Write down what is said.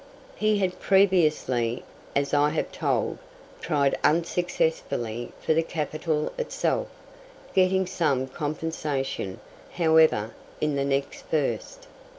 He had previously, as I have told, tried unsuccessfully for the capital itself, getting some compensation, however, in the "next first."